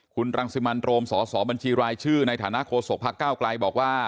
คุณรังสิมันโรมสสบัญชีรายชื่อในฐานะโฆษกพักเก้าไกลบอกว่า